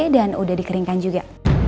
dan udah dikeringkan juga